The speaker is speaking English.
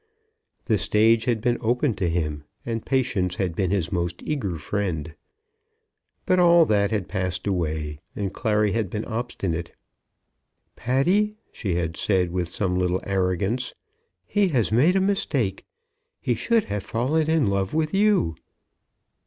The stage had been open to him, and Patience had been his most eager friend. But all that had passed away, and Clary had been obstinate. "Patty," she had said, with some little arrogance, "he has made a mistake. He should have fallen in love with you."